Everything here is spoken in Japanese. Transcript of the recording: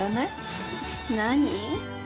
何？